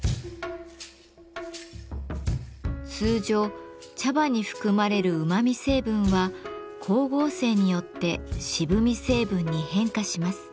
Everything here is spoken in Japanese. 通常茶葉に含まれるうまみ成分は光合成によって渋み成分に変化します。